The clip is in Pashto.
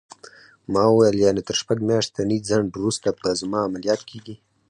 ما وویل: یعنې تر شپږ میاشتني ځنډ وروسته به زما عملیات کېږي؟